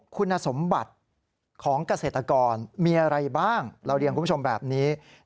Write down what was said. คุณสมบัติของเกษตรกรมีอะไรบ้างเราเรียนคุณผู้ชมแบบนี้